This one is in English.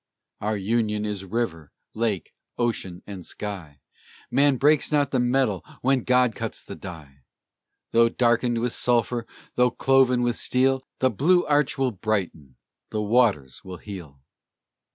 Our Union is river, lake, ocean, and sky; Man breaks not the medal when God cuts the die! Though darkened with sulphur, though cloven with steel, The blue arch will brighten, the waters will heal!